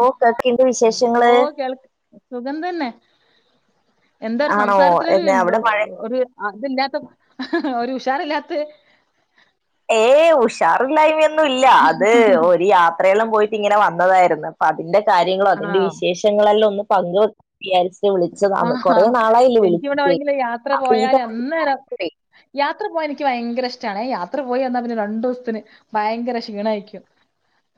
ഓ കക്കിന്റെ വിശേഷങ്ങള്? സുഗന്ധതന്നെ എന്താ ആണോ സംസാരത്തിലൊരു എന്ന് അവിടെ മഴ ഒരു അതില്ലാത്ത ഒരു ഉഷാറില്ലാത്ത് ഏയ് ഉഷാറില്ലായ്മ ഒന്നും ഇല്ല. അത് ഒരു യാത്രയെല്ലാം പോയി ഇങ്ങനെ വന്നതായിരുന്നു. അപ്പ അതിന്റെ കാര്യങ്ങളോ അതിന്റെ ആഹ്. വിശേഷങ്ങളെല്ലാം ഒന്ന് പങ്ക് വെ വിചാരിച്ചിട്ട് വിളിച്ചതാന്ന് ആഹാ. കൊറേ നാളായില്ലേ എനിക്കിവിടെ വിളിച്ചിട്ട്. എവിടെയെങ്കിലും അപ്പൊ ഈ [unintelligible] യാ യാത്ര പോവാൻ എനിക്ക് ഭയങ്കര ഇഷ്ടാണേ. യാത്ര പോയി വന്നാൽ പിന്നെ രണ്ടു ദിവസത്തിന് ഭയങ്കര ക്ഷീണായിരിക്കും.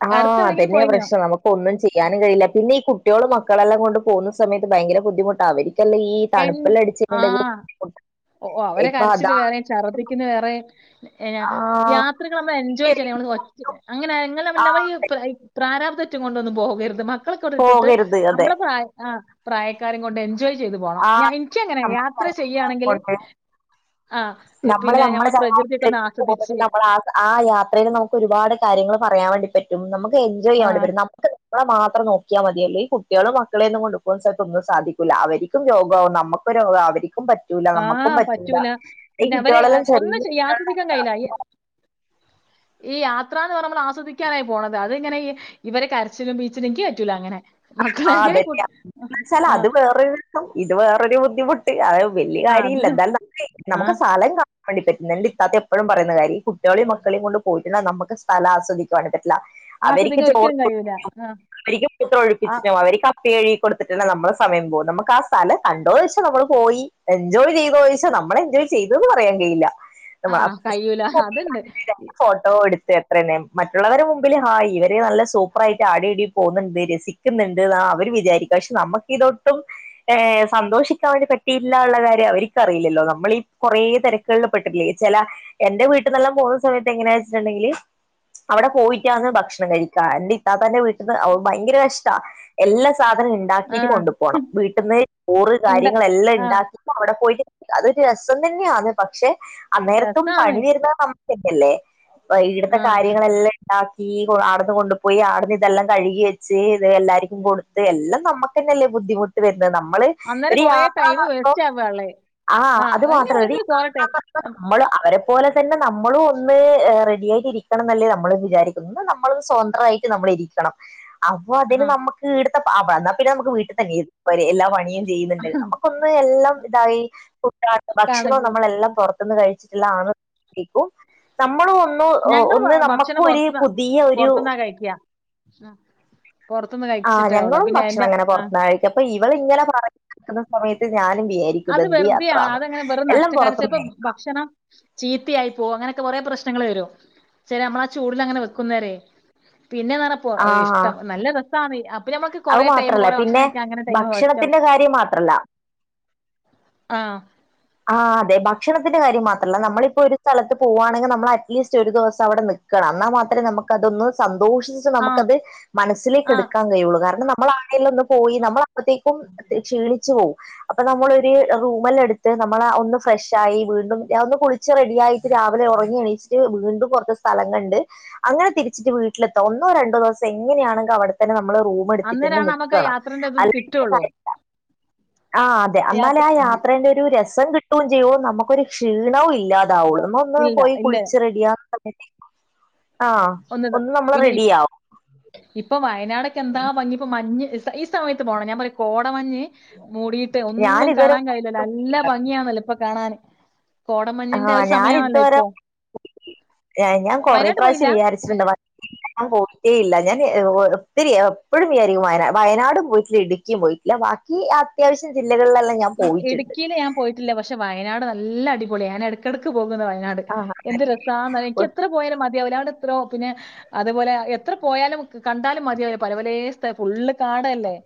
ആ അടുത്തെവിടെയെങ്കിലും അതന്നെയാ പോയിനോ? പ്രശ്നം നമുക്ക് ഒന്നും ചെയ്യാനും കഴിയില്ല പിന്നെ ഈ കു ട്ടിയോളും മക്കളെല്ലാം കൊണ്ട് പോകുന്ന സമയത്ത് ഭയങ്കര ബുദ്ധിമുട്ടാവര് അല്ലാ ഈ എൻ തണുപ്പെല്ലാം അടിച്ചട്ടുണ്ടെങ്കി ആഹ്. ഓ ഓ അവരെ കരച്ചില് വേറെയും ഛർദ്ദിക്കുന്ന വേറെയും യാ ആ യാത്രകൾ നമ്മള് എൻജോയ് ചെയ്യണേ നമ്മള് ഒറ്റ അങ്ങനെ ഇങ്ങള് ആ തമ്മിലുള്ള നമ്മള്ഈ പ്രാരാബ്ദ റ്റൊന്നും കൊണ്ട് പോകരുത് മക്കളെക്കെ ഇട്ടിട്ട് പോകരുത് അതെ നമ്മളെ പ്രായ പ്രായക്കാരും കൊണ്ട് എൻജോയ് ചെയ്ത് പോണം ആ ഞ എനിക്കങ്ങനെ യാത്ര നമ്മൾ ചെയ്യാണെങ്കില് കൊണ്ട് നമ്മള് ഞമ്മടെ ചങ്ങായി ഒന്ന് ആസ്വദിച്ച് [unintelligible] ആ യാത്രയിൽ നമുക്ക് ഒരുപാട് കാര്യ ര്യങ്ങള് പറയാൻ വേണ്ടി പറ്റും. നമുക്ക് എൻജോയ് ചെയ്യാൻ ആ വേണ്ടി പറ്റും. നമുക്ക് കുട്ടികളെ മാത്രം നോക്കീയാ മതിയല്ലോ. ഈ കുട്ടികളേം മക്കളെയൊന്നും കൊണ്ട് പോകുവാൻ ചെലപ്പങ്ങ് സാധിക്കൂല. അവര് ക്കും രോഗാവും നമുക്ക് രോഗാവും അവര് പറ്റൂല നമ്മുക്കും പറ്റൂല. ഈ പിന്നെ അവരെ ആ- കുട്ടികളെല്ലാം ചെറിയ ഒന്നും ചെയ്യാ ആസ്വദിക്കാൻ കഴിയില്ല ഈ ഈ യാത്ര എന്ന് പറഞ്ഞാ നമ്മൾ ആസ്വദിക്കാനായി പോണത് അത് ഈ ഇങ്ങനെ ഈ ഇവരുട കരച്ചിലും പിഴിച്ചിലും എനിക്കി പറ്റൂല അങ്ങനെ. മക്കളെ അങ്ങനെ കു അതന്നെയാ. എന്നു വെച്ചാല് ആ അത് വേറെ രു രസം ഇത് വേറൊരു ബുദ്ധിമുട്ട് അത് വലിയ ആ കാര്യം അത് ഇല്ല. എന്നാലും ന ആ നമുക്ക് സ്ഥലം കാ പറ്റില്ല എൻ്റെ ഇത്താത്ത എപ്പഴും പറയുന്ന കാര്യ കുട്ടികളെയും മക്കളെയും കൊണ്ട് പോയി കഴിഞ്ഞാ നമുക്ക് സ്ഥലം ആസ്വദിക്കാൻ കൂടി പറ്റി [unintelligible] അവര്ക്ക് ആസ്വദിക്കാൻ ചോറ് ഒരിക്കലും കഴിയൂല കൊടുക്കലും ആ അവര്ക്ക് മൂത്ര ആ ഒഴിപ്പിച്ചിട്ടും അവര്ക്ക് അപ് പ്പികഴുകികൊടുത്തിട്ടന്നെ നമ്മള് സമയം പോവും നമ്മള് ആ സ്ഥലം കണ്ടോന്നോയ്ച്ചാ നമ്മള് പോയി എൻജോയ് ചെയ്തോന്ന് ചോയ്ച്ചാ നമ്മള് എൻജോയ് ചെയ്തന്ന് പറയാൻ കഴിയില്ല. ആ കഴിയൂല അതുണ്ട് ഫോട്ടോ എടുത്ത് മറ്റുള്ളവരുടെ മുമ്പില് ഹായ് ഇവര് നല്ല സൂപ്പറായിട്ട് ആടേം ഇവടേം പോകുന്നുണ്ട് രസി ക്കുന്നുണ്ട്. അവര് വിചാരിക്കും. പക്ഷെ നമുക്ക് ഇതൊട്ടും സന്തോഷിക്കാൻ വേണ്ടി പറ്റിയിട്ടില്ല ഉള്ള കാര്യം അവരക്ക് അറിയില്ലല്ലോ. നമ്മൾ ഈ കുറേ തിരക്കുകളിൽ പെട്ടിട്ടില്ലേ ചില എന്റെ വീട്ടന്നെല്ലാം പോകുന്ന സമയത്ത് എങ്ങനെയാ വച്ചിട്ടുണ്ടെങ്കില് അവിടെ പോയിട്ടാണ് ഭക്ഷണം കഴിക്ക. എന്റെ ഇത്താത്താൻ്റെ വീ ട്ടില് ഭയങ്കര കഷ്ടാ. എല്ലാ സാധനം ആ ഇണ്ടാക്കിയിട്ട് കൊണ്ടുപോണം. വീട്ടിന്ന് ചോറ് ഇണ്ട കാര്യങ്ങളെല്ലാം ആ ഇണ്ടാക്കിയിട്ട് അവിടെ പോയിട്ട് അതൊരു രസം തന്നെയാന്ന് പക്ഷെ അന്നേരത്തും രസാണ് പണി വരുന്നത് നമുക്കന്നല്ലേ ആ ഇവിടുത്തെ കാര്യങ്ങളെല്ലാം ഇണ്ടാക്കി ആടെന്ന് കൊണ്ടുപോയി ആടുന്ന് ഇതെല്ലാം കഴുകി വെച്ച് എല്ലാരുക്കും കൊടുത്ത് എല്ലാം നമ്മുക്ക് തന്നെയല്ലേ ബുദ്ധിമുട്ട് വരു ന്നത്. നമ്മള് അന്നേരം ഒരു കൊറേ യാത്ര ടൈം വേസ്റ്റ് [unintelligible] ആവാള്ളേ ആ അത് ഇനി മാത്രല്ല എടീ എന്നിട്ട് പോരട്ടെ നമ്മള് അവരെ പോലെ തന്നെ നമ്മളും ഒന്ന് റെഡിയായിട്ട് ഇരിക്കണം എന്നല്ലേ നമ്മള് വിചാരിക്കുന്നു. ഒന്ന് നമ്മള് സ്വതന്ത്രമായിട്ട് നമ്മ യിരിക്കണം അപ്പൊ ആ അതിന് നമുക്ക് ഈടത്തെ എന്നാ പിന്നെ നമുക്ക് വീട്ടിൽ തന്നെ ഇരുന്നാ പോരേ എല്ലാ പണിയും ചെയ്യുന്നുണ്ട്. നമുക്കൊന്ന് എല്ലാം ഇതായി ഫുഡ് ഭക്ഷണോ കണക്ക് നമ്മളെല്ലാം പുറ ത്തന്ന് കഴിച്ചിട്ടില്ല. ആ [unintelligible] നമ്മള് കൊറ ഒന്ന് ഞങ്ങള് ഒന്ന് ഭ- നമുക്ക് ഭക്ഷണം ഒരു പുറത്തുനിന്ന് പുതിയ ഒരു പുറത്തുനിന്നാ കഴിക്കുക ഉം. പുറത്തുനിന്ന് ആ കഴിച്ചിട്ടേ ഉള്ളൂ ഞങ്ങളും പിന്നെ ഭക്ഷണം എന്റെ അങ്ങനെ ആ പുറത്തുന്നാ കഴിക്കാ അപ്പൊ ഇവളിങ്ങനെ പറയുന്ന സമയത്ത് ഞാനും വിചാരിക്കും അത് ഇതെന്ത് വെറുതെയാ യാത്രാന്ന് അതെങ്ങനെ വെറുതെ എല്ലാം പുറത്തുന്ന് [unintelligible] ഭക്ഷണം ചീത്തയായി പോവും. അങ്ങനെയൊക്കെ കൊറേ പ്രശ്നങ്ങൾ വരും. ചെലേ നമ്മളാ ചൂടില് അങ്ങനെ വെക്കുന്ന വരേ. പിന്നേന്ന് പറഞ്ഞ പ്പോ ആ ഇഷ്ടം നല്ല രസാണ് അപ്പ് അപ്പൊ നമ്മക്ക് അത് കൊറേ ടൈമ് മാത്രല്ല കൊറേ ഭക്ഷണം പിന്നെ കഴിക്കാൻ അങ്ങനെ ടൈം വേസ്റ്റാവും. ഭക്ഷണത്തിന്റെ കാര്യം മാത്രല്ല ആ ആ അതെ ഭക്ഷണത്തിന്റെ കാര്യം മാത്രല്ല നമ്മളിപ്പോ ഒരു സ്ഥലത്ത് പോവാണെങ്കി നമ്മൾ അറ്റ്ലീസ്റ്റ് ഒരു ദിവസം അവിടെ നിക്ക എന്നാ മാത്രേ നമുക്കതൊന്ന് സന്തോഷിച്ച് ആ നമുക്കത് മനസ്സിലേക്ക് ആഹ് എടുക്കാൻ കഴിയുള്ളൂ. കാരണം ന നമ്മളാണേ ഒന്ന് പോയി നമ്മളപ്പത്തേക്കും ക്ഷീണിച്ചു പോവും അപ്പൊ നമ്മളൊരു റൂമല്ല എടുത്ത് നമ്മളെ ഒന്ന് ഫ്രഷായി വീണ്ടും ഞാൻ ഒന്ന് കുളിച്ച് റെഡിയായിട്ട് രാവിലെ ഉറങ്ങി എണീച്ചിട്ട് വീണ്ടും പുറ സ്ഥലംകണ്ട് അങ്ങനെ തിരിച്ചിട്ട് വീട്ടിലെത്താം ഒന്നോ രണ്ടോ ദിവസം എങ്ങനാണെങ്കിൽ അവിടെത്തന്നെ നമ്മു നമ്മള് റൂമ് എടുത്തിട്ട് തന്നെ അന്നേരാണ് നമുക്ക് ആ നിക്കണം. യാത്രേന്റെ ഇത് അല്ലങ്കി കിട്ടുള്ളൂ. ആ അതെ അന്നാലാ യാത്ര ആ ആഹ് യാത്രേന്റെ ഒരു രസം കിട്ടുകയും ചെയ്യോ? നമുക്കൊരു ക്ഷീണവും ഇല്ലാതെ അവിടുന്ന് ഒന്ന് ഇല്ല പോയി ഇല്ല കുളിച്ച് റെഡിയാകുമ്പതന്നെ ആ ഒന്ന് നമ്മൾ റെഡിയാവും. വയനാടെക്കെ എന്താ ഭംഗി ഇപ്പം മഞ്ഞ് ഈ സമയത്ത് പോകണം. ഞാൻ പറഞ്ഞ് കോ [unintelligible] മഞ്ഞ് മൂടിട്ട് ഒന്നും ഞാനിതുവരെ കാണാൻ കഴില്ലല്ലോ? എല്ലാ ഭംഗിയന്നല്ലോ ഇപ്പൊ കാണാൻ. ആ ഞാനിതുവരെ ഞാൻ കൊറെ വയനാട്ട് പോയില്ല? പ്രാവശ്യം വിചാരിച്ചിട്ടുണ്ട് വയ ഞാൻ പോയിട്ടേയില്ല ഞാൻ ഒത്തിരി എപ്പോഴും വിചാരിക്കും. വയ വയനാടും പോയിട്ടില്ല ഇടുക്കിയും പോയിട്ടില്ല. ബാക്കി അത്യാവശ്യം ജില്ലകളിലെല്ലാം ഞാൻ പോയിട്ടുണ്ട് ഇടുക്കിയിൽ ഞാൻ പോയിട്ടില്ല. പക്ഷെ വയനാട് നല്ല അടിപൊളി ഞാൻ ഇടക്കിടക്ക് പോകും വയനാട് ആ എന്ത് രസാന്ന് അറി എനിക്ക് എത്ര പോയാലും മതിയാവില്ല അവിടെ എത്രോ പിന്നെ അതുപോലെ എത്ര പോയാലും കണ്ടാലും മതിയല്ലേ. പലപലേ സ്ഥ ഫുള്ള് കാടല്ലേ?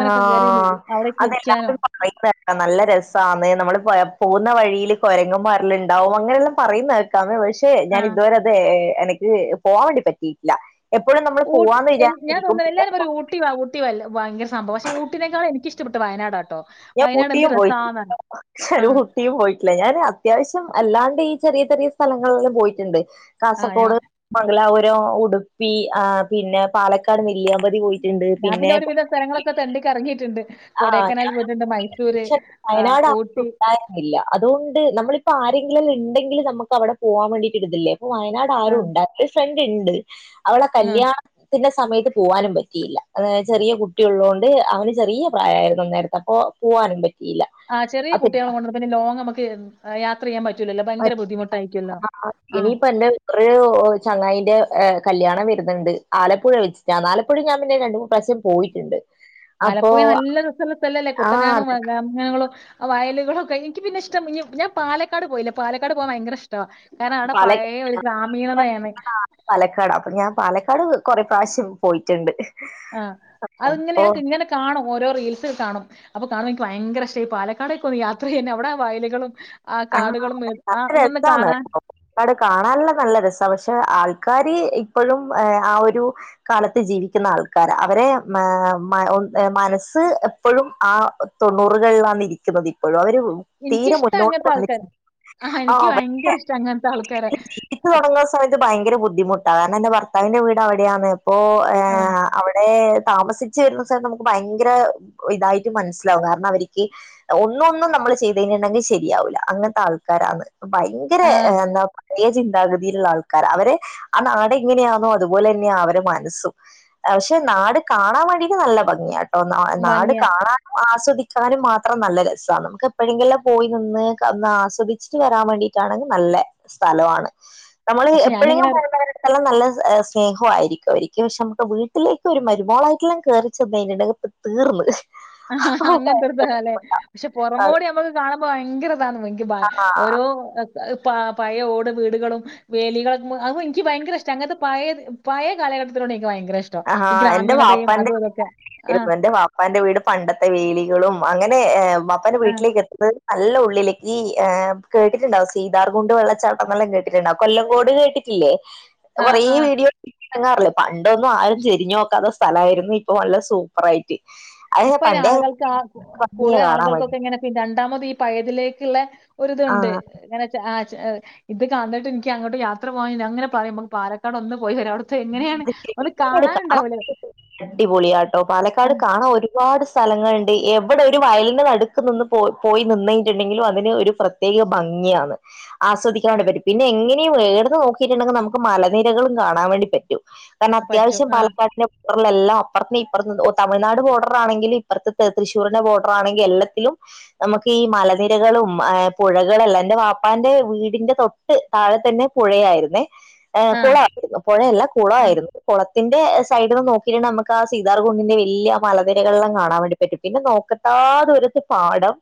ആ കേറി അവിടെയൊക്കെ ഇരിക്കാനും അതെല്ലാർക്കും പറയുന്ന് നല്ല രസാന്ന് നമ്മള് പോകുന്ന വഴിയില് കൊരങ്ങമാരെല്ലാം ഉണ്ടാവും. അങ്ങനെല്ലാം പറയുന്ന കേക്കാം. പക്ഷെ ഞാൻ ആഹ് ഇതുവരെ അത് എനിക്ക് പോവാൻ വേണ്ടി പറ്റിയിട്ടില്ല. എപ്പോഴും നമ്മള് ഊ പോവാന്ന് ഞാൻ വിചാരിച്ചിരിക്കും തോന്നുന്നു പിന്നെ എല്ലാരും ഒരു ഊട്ടിവാ ഊട്ടിവാ വല്ല ഭയങ്കര സംഭവാ. പക്ഷേ ഊട്ടിനെക്കാൾ എനിക്ക് ഇഷ്ടപ്പെട്ട് വയനാടാണ്. ഞാൻ ഊട്ടിയും പോയിട്ടില്ല. ആഹ് ഊട്ടിയും പോയിട്ടില്ല. ഞാന് അത്യാവശ്യം അല്ലാണ്ട് ഈ ചെറിയ ചെറിയ സ്ഥലങ്ങളാം പോയിട്ടുണ്ട് ആഹ് ഞാൻ കാസർഗോഡ്, മംഗലാപു ഉടുപ്പി ആ പിന്നെ പാലക്കാട് നെല്ലിയാമ്പതി പോയി ഞാൻ പിന്നെ ഒരുവിധ സ്ഥലങ്ങളൊക്കെ തെണ്ടി കറങ്ങിയിട്ടുണ്ട്. ആ കൊടൈക്കനാൽ ഞാനും പോയിട്ടുണ്ട്. മൈസൂര് ആഹ് വയനാട് ഊട്ടി ഉണ്ടായിരുന്നില്ല അതുകൊണ്ട് നമ്മളിപ്പ ആരെങ്കിലും ഉണ്ടെങ്കിൽ നമുക്ക് അവിടെ പോകവാൻ വേണ്ടിട്ട്കിട്ടില്ലേ. അപ്പം വയനാട് ആരു ആഹ് ഉണ്ടായില്ല. ണ്ട് അവളെ ഉം കല്യാണത്തിന്റെ സമയത്ത് പോകാനും പറ്റിയില്ല. ചെറിയ കുട്ടിയുള്ളതുകൊണ്ട് അവന് ചെറിയ പ്രായമായിരുന്ന അപ്പോ പോകാനുപറ്റി ആ ചെറിയ കുട്ടികളെ കൊണ്ട് ഒന്നു ലോങ് നമ്മക്ക് യാത്ര ചെയ്യാൻ പറ്റൂല ഇനിയിപ്പ എന്റെ ബ്രചങ്ങായിന്റെ കല്യാണം വരുന്നുണ്ട്. ആലപ്പുഴ വെച്ചിട്ടാണ്. ആലപ്പുഴ ഞാൻ പിന്നെ രണ്ടു മൂന്നു പ്രാവശ്യം പോയിട്ടുണ്ട്. അപ്പൊ ആലപ്പുഴ നല്ല സ്ഥലത്തല്ലേ കുട്ടനാടും ആഹ് ഗ്രാമങ്ങളും ആ വയലുകളൊക്കെ എനിക്ക് പിന്നെ ഇഷ്ടാ. ഞാൻ പാലക്കാട് പോയില്ലേ? പാലക്കാട് പോകാൻ ഭയങ്കര ഇഷ്ടാ. കാരണം അവിടെ പാലക്കാട് പഴയ ഒരു ഗ്രാമീണതയാണ്. പാലക്കാട്. അപ്പൊ ഞാൻ പാലക്കാട് കൊറെ പ്രാവശ്യം പോയിട്ടുണ്ട്. ആ അത് ഇങ്ങനെ അപ്പൊ ഞക്ക് ഇങ്ങനെ കാണും. ഓരോ റീൽസിൽ കാണും അപ്പൊ കാണും. എനിക്ക് ഭയങ്കര ഇഷ പക്ഷേ ഈ പാലക്കാടേക്ക് ഒന്ന് യാത്രചെയ്യുന്നെ അവിടെ വയലുകളും ആ കാടുകളും ആ നല്ല ഒന്നൊന്ന് കാണാൻ രസമാണ്കേട്ടോ. കാണാൻനല്ല രസമാണ്. പക്ഷെ ആൾക്കാര് ഇപ്പോഴും ആ ഒരു കാലത്ത് ജീവിക്കുന്ന ആൾക്കാരാ അവരെ മനസ്സ് എപ്പോഴും ആ തൊണ്ണുറുകളിലാണ് ഇരിക്കുന്നത് ഇപ്പോഴും അവര് തീരെ എനിക്കിഷ്ട മുന്നോട്ട് അങ്ങനത്തെ ആൾക്കാര് ആഹ് ആ എനിക്ക് പക്ഷെ ഭയങ്കര ഇഷ്ട അങ്ങനത്തെ ആൾക്കാരെ ജീവിച്ചുതുടങ്ങുന്ന സമയത്ത് ഭയങ്കര ബുദ്ധി ബുദ്ധിമുട്ടാ കാരണം എന്റെ ഭർത്താവിന്റെ വീട് അവിടെയാണ്. ഇപ്പോ ആഹ് അവിടെ താമസിച്ചു വരുന്ന സ്ഥലത്ത് നമുക്ക് ഭയങ്കര ഇതായിട്ട് മനസ്സിലാവും കാരണം അവക്ക് ഒന്നും ഒന്നും ചെയ്തേനുണ്ടെങ്കിൽ ശരിയാവൂല്ല അങ്ങനത്തെ ആൾക്കാരാണ്. ഭയങ്കര ആഹ് എന്താ പഴയ ചിന്താഗതിയിലുള്ള ആൾക്കാര് അവര് ആ നാട് എങ്ങനെയാണോ അതുപോലെ തന്നെ അവരെ മനസ്സും. പക്ഷെ നാട് കാണാൻ വേണ്ടിട്ട് നല്ല ഭംഗിയാണ്. അ നാട് ഭംഗിയാ കാണാനും ആസ്വദിക്കാനും മാത്രം നല്ല രസമാണ്. നമുക്ക് എപ്പോഴെങ്കിലും പോയി നിന്ന് ഒന്ന് ആസ്വദിച്ചിട്ട് വരാൻ വേണ്ടിട്ടാണെങ്കിൽ നല്ല സ്ഥലമാണ്. നമ്മള് പക്ഷെ ഞാനിങ്ങനെ എപ്പോഴെങ്കും പോുന്നവ [unintelligible] രുല്ലാം നല്ല സ്നേഹംമായിരിക്കും അവരിക്കും പക്ഷെ നമുക്ക് വീട്ടിലേക്ക് ഒരു മരുമോളായിട്ടെല്ലാം ക കേറി ചെന്ന് കിട്ടുണ്ടെ തീർന്ന് ആ അങ്ങനത്തെ ഒരുല്ലെ പക്ഷെ പുറമോടി നമ്മുക്ക് കാണുമ്പോ ഭയങ്കര ങ്ക ആ ഓരോ പ പഴ ഓട് വീടുകളും വേലികളും അതും എനിക്ക് ഭയങ്കര ഇഷ്ടം അങ്ങനത്തെ പഴ പഴയ കാലഘട്ടത്തിലൂടെ ഭയങ്കര ഇഷ്ടം ആ ഈ എന്റെ ഗ്രാമീണതയും വാപ്പാന്റെ അതും അതൊക്കെ ആ ഇരുന്നു. എന്റെ വാപ്പാന്റെ വീട് പണ്ടത്തെ വേലികളും അങ്ങനെ്പ്പാന്റെ ആഹ് വീട്ടിലേക്ക് എത്തുന്നത് നല്ല ഉള്ളിലേക്ക് ് കേട്ടിട്ടുണ്ടാവും സീതാർ കുുണ്ട് വെള്ളച്ചാട്ടംെല്ലാം കേട്ടിട്ടുണ്ടാവും കൊല്ലംകോട് കേട്ടിട്ടില്ലേ ആഹ് കൊറെേ ആഹ് വീഡിയോ ഇടങ്ങാറില്ലേ പണ്ടൊന്നും ആര ചെരിഞ്ഞു നോക്കാത്ത സ്ഥലമായിയിരുന്നു ഇപ്പൊ നല്ല സൂപ്പർ ആയിട്ട് ഇപ്പൊ ഇെ ആളുകൾക്ക് ഭംഗിയാ കൂടുത കാണാൻ വേണ്ടി. ആളുകൾക്കൊക്കെ ഇങ്ങനെ പിന്നണ്ട് ണ്ടാമതി ഈ പയതിലേക്കുള്ള ആഹ് ഒരുരിതുണ്ട്നെ ഇത് കാന്തായിട്ട് എനിക്ക് അങ്ങോട്ട് യാത്ര പോകാ അങ്ങനെ പറയും പാലക്കാട് ഒന്നും പോയിവര അവിടത്തെ എങ്ങനെയാണ് ഒന്ന് പാലക്കാട് കാണാൻ കാണാനുണ്ടാവൂല അടിപൊളിയാട്ടോ പാലക്കാട് കാണാൻ ഒരുപാട് സ്ഥലങ്ങളുണ്ട് എവിടെ ഒരു വയലിനൾ അടുക്ക് നിന്ന് പോയി നിന്നിട്ടുണ്ടെങ്കിലും അതിന് ഒരു പ്രത്യേക ഭംഗി ങ്ങ ആസ്വദിക്കൻ വേണ്ടി പറ്റ പിന്നെങ്ങനെയും എടുന്ന് നോക്കിട്ടുണ്ടെങ്കിൽ നമുക്ക് മലനിരകളും കാണാൻ വേണ്ടി പറ്റുംപിന്നെ പറ്റും അത്യാവശ്യം ആഹ് പാലക്കാട്ടിലെ ബല്ലാം അപ്പുറ ഇപ്പു തമി്നാട് ബോർഡർ ആണെങ്കില ഇപ്പുറത്തെ തൃശൂരിന്റെ ബോർഡർ ആണെങ്കിൽ എല്ലാത്തിലും നമുക്ക് ഈ മലനിരകളും് പുഴകളുംല്ലാം എന്റെ വാപ്പാന്റെ വീടിന്റെ തൊട്ട് താഴത്തെ പുഴയായി രുന്നെ ഏ ആഹ് 'കുളപുഴല്ല ആ കുളായിരുന്നു കുളത്തി ത്തിന്റെ സൈഡിൽന്ന് നോക്കിയിട്ടു നമു ആ സീതാർകുണ്ടിന്റെ വലിയ മലനിരകളൊം കാണാ വേണ്ടി പറ്റും പിന്നെ നോക്ക എല്ലാ ദൂരത്ത് പാഠം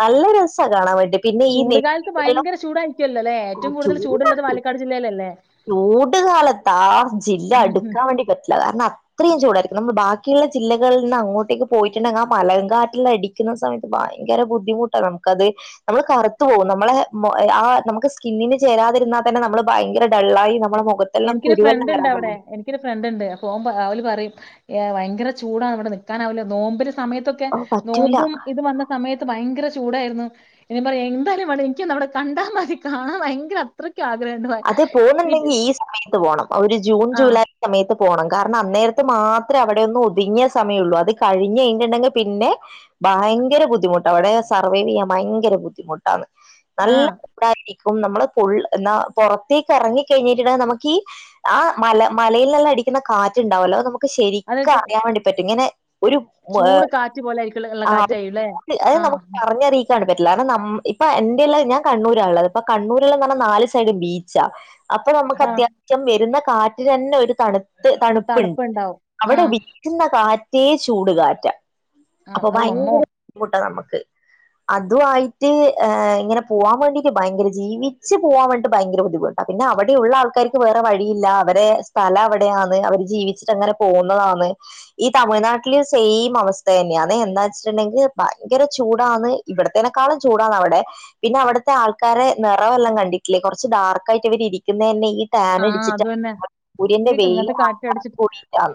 നല്ലൊരു രസ കാണാൻ വേണ്ടി പിന്നെ ഈ ചൂട് കാലത്ത് നെല്ലിക്കെല്ലാം ഭയങ്കര ചൂടായിരിക്കുവല്ലോല്ലേ ഏറ്റവും കൂടുതൽ ചൂടുള്ളത് പാലക്കാട് ജില്ലയിലല്ലേ ചൂട്കാലത്ത് ആ ജില്ല അടുക്കാൻ വേണ്ടി പറ്റില്ല കാരണം അത്രയും ചൂടായിരിക്കും നമ്മൾ ബാക്കി ബാക്കിയുള്ള ജില്ലകളിൽ നിന്ന് അങ്ങോട്ടേക്ക് പോയിട്ടുണ്ടെങ്കിൽ ആ മലങ്കാറ്റിൽ നിന്ന് അടിക്കുന്ന സമയത്ത് ഭയങ്കര ബുദ്ധിമുട്ടാണ് നമുക്ക് ക്കത്‌നമ്മൾ കറുത്തു പോകും നമ്മളെ ആ നമുക്ക് സ്കിന്നിന് ചേരാതിരുന്നാൽ തന്നെ നമ്മൾ ഭയങ്കര വെള്ളായി നമ്മുടെ മുഖത്തെല്ലാം എനിക്കൊരു ഫ്രണ്ട് കുരുവെല്ലാം ഉണ്ട് വരാൻ തു - അവിടെ എനിക്കൊരു ഫ്രണ്ട് ഉണ്ട് അ ഓമ്പ അവള് പറയും ഭയങ്കര ചൂടാണ് ഇവിടെ നിക്കാൻ ആ വില്ല നോമ്പില് സമയത്തൊക്കെ ഓ പറ്റൂല നോമ്പും ഇത് വന്ന സമയത്ത് ഭയ ഭയങ്കര ചൂടായിരുന്നു എ പറയും എന്തായാലും വേണം എനിക്കന്ന് അവിടെ കണ്ടാൽ മതി കാണാൻ ഭയങ്കര അത്ര ആഗ്രഹണ്ട് അത് പോകുന്നുണ്ടെങ്കിൽ [unintelligible] ഈ സമയത്ത് പോണം ഒരു ജൂൺ ആഹ് ജൂലൈ സമയത്ത് ത്ത് പോണം കാരണം അന്നേരത്ത് മാത്രം അവിടെ ഒന്ന് ഒതുങ്ങിയ സമയുള്ളൂ അത് കഴിഞ് കഴിഞ്ഞിട്ടുണ്ടെങ്കിൽ പിന്നെ ഭയങ്കര ബുദ്ധിമുട്ടാണ് അവിടെ സർവൈവ് ചെയ്യാൻ ഭയങ്കര ബുദ്ധിമുട്ടാണ് നല്ല ആഹ് ചൂടായിരിക്കും നമ്മള് പൊള്ളുന്ന പുറത്തേക്ക് ഇറങ്ങി കഴിഞ്ഞിട്ടുണ്ടെങ്കിൽ നമുക്ക് ഈ ആ മല മലയിൽ നിന്ന് അടിക്കുന്ന കാറ്റുണ്ടാവല്ലോ നമുക്ക് അത് ശരിക്കും അറിയാൻ വേണ്ടി പറ്റും ഇങ്ങനെ ഒരു ചൂട് കാറ്റ് പോലെ ആയിരിക്കും ഉള്ള ആ അത് കാറ്റായിരിക്കും ല്ലേ? ആഹ് നമുക്ക് പറഞ്ഞറി ക്കാൻപറ്റില്ല കാരണം ഇപ്പൊ എന്റെയല്ല ഞാൻ കണ്ണൂരാ ഉള്ളത് ഇപ്പൊ കണ്ണൂരില്ലന്ന് പറഞ്ഞാ നാല് സൈഡും ബീച്ചാ അപ്പൊ നമ്മക്ക് ആഹ് അത്യാവശ്യം വരുന്ന കാറ്റിൽ തന്നെ ഒരു തണു തണുപ്പുണ്ട് തണുപ്പുണ്ടാവും. അവിടെ ആഹ് വിക്കുന്ന കാറ്റ് റ്റേ ചൂടുകാറ്റ ആഹ് അപ്പൊ ഔ അമ്മോ! ഭയങ്കര ബുദ്ധിമുട്ടാണ് നമുക്ക് അതു വായിട്ട് ഇങ്ങനെ പോവാൻ വേണ്ടിട്ട് ഭയങ്കര ജീവിച്ച് പോവാൻ വേണ്ടി ഭയങ്കര ബുദ്ധിമുട്ടാപിന്നെ അവിടെയുള്ള ആൾക്കാർക്ക് വേറെ വഴിയില്ല അവരെ സ്ഥല അവിടെയാണ് അവര് ജീവിച്ചിട്ട്നെ ങ്ങനെ പോവുന്നതാണ്ഈ തമിഴ്നാട്ടിലെ സെയിം അവസ്ഥതന്നെയാണ് എന്നാ വെച്ചു ണ്ടെങ്കില് പയങ്കര ചൂടാന്ന് ഇവിടത്തേനക്കാളും ചൂടാന്ന് അവിടെ പിന്നെ അവിടുത്തെ ആൾക്കാരെ നിറവെല്ലാം കണ്ടി [unintelligible] കുറച്ച് ഡാർ ക്ക്ആയിട്ട് ഇരിക്കുന്ന തന്നെ ഈ ടാൻ ആ അടിച്ചിട്ട് അത് തന്നെ സൂര്യന്റെ ഇവർക്ക് വെയില ഇങ്ങനത്തെ ആ [unintelligible] കാറ്റടിച്ചിട്ട് കൂടിട്ടാണ്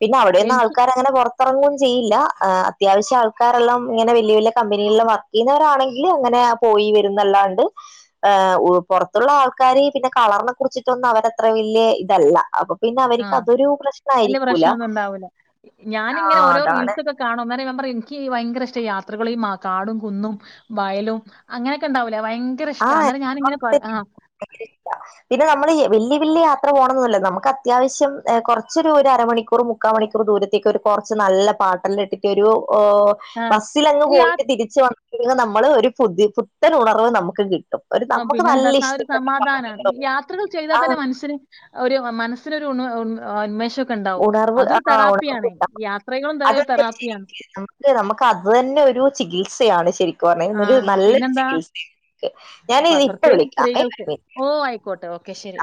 പിന്നെ അവിടൊന്നും എനിക്ക് ആൾക്കാരങ്ങനെ പുറത്തിറങ്ങും ചെയ്യീല്ല ആ അത്യാവശ്യം ആൾക്കാരെല്ലാം ഇങ്ങനെ വലിയ വലിയ കമ്പനികളില് വർക്ക് ചെയ്യുന്നവരാണെങ്കിൽ അങ്ങനെ പോയി വരുന്നല്ലാ ണ്ട് [unintelligible] പുറത്തുള്ള ആൾക്കാര് പിന്നെ കളറിനെ കുറിച്ചിട്ടൊന്നും അവരത്ര വല്യ ഇതല്ല അപ്പൊ പിന്ന ആഹ് അവർക്കതൊരു [unintelligible] വല്യ പ്രശ്നംന്നും ഉണ്ടാവൂല്ല ആ ഞാനിങ്ങനെ ഓരോ അതാണ് റീൽസൊക്കെ കാണും അന്നേരം ഇവൻപറയും എനക്കീ ഭയങ്കര ഇഷ്ട യാ ത്രകളിൽ കാടും കുന്നും വയലും അങ്ങനെയൊക്കെ ഇണ്ടാവില്ലേ ആ [unintelligible] പിന്നെ നമ്മള് വല്യയ വല്യയ യാ ത്ര പോണംന്നന്നുല്ല നമുക്ക് അത്യാവശ്യം കൊറച്ചൊരു ഒരു അരമണിക്കൂർ മുക്കാൽ മണിക്കൂർ ദൂരത്തേക്ക് ഒരു കുറച്ച് നല്ല പാട്ട് ല്ലാം ഇട്ടിട്ടൊരു ഓ ആ ബസ്സിലങ്ങ് ഈ യാ പോയിട്ട് തിരിച്ച് വന്ന് നമ്മള് ഒരു പുതി പുത്തൻ ഉണർവ് നമുക്ക് കിട്ടും ഒരു ആ നമുക്ക് പിന്നെന്താ നല്ല സ ആ ഒ രു ഇഷ്ടപ്പെട്ട സമാധാനമാണ് ഈ പാട്ടുകളും യാത്രകൾ ചെയ്താ ആ തന്നെ മനുഷ്യന് ഒരു മനസ്സിനൊരു ഉണർവ്വ് [unintelligible] ഉന്മേഷ ഷക്കെ ണ്ടാവും ഉണർവ് അതൊരു ആ ഉണർവ് തെറാപ്പിയാണ് യാത്രകളുംന്താ ഒരു തെറാപ്പിയാണ് നമക്ക് നമക്ക് അത് തന്നെ ഒരു ചികിത്സയാണ് ശരിക്ക് ക്ക് ആ പറഞ്ഞാല് നല്ലരു പിന്നെന്താ ചികിൽസയാണ്ഞാന് പ- ഇത്ഇപ്പ പ്രത്യേകിച്ച് വിളിക്കാ മേ ഒരു സ്ത്രീകൾക്ക് മിനിറ്റ് ഓ ആയിക്കോട്ടെ ഓക്കെ ശരി